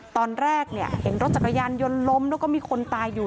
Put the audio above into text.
ตอนแรกเนี่ยเห็นรถจักรยานยนต์ล้มแล้วก็มีคนตายอยู่